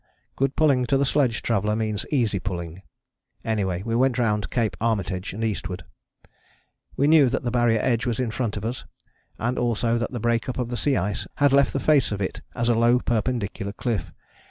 Good pulling to the sledge traveller means easy pulling. Away we went round Cape Armitage and eastwards. We knew that the Barrier edge was in front of us and also that the break up of the sea ice had left the face of it as a low perpendicular cliff.